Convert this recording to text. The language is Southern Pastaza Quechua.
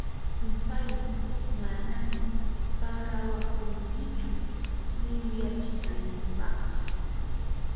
Kumpayni, manami pagawahunkichu liwiyachinaynipaka.